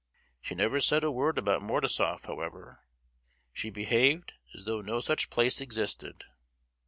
She never said a word about Mordasof, however. She behaved as though no such place existed.